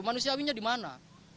manusiawinya di mana